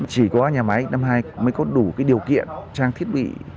chỉ có nhà máy năm nay mới có đủ điều kiện trang thiết bị